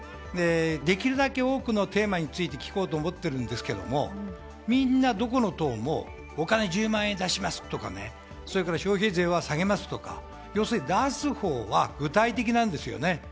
できるだけ多くのテーマについて聞こうと思ってるんですが、みんなどこの党もお金１０万円出しますとか、消費税は下げますとか、要するに出すほうは具体的なんですよね。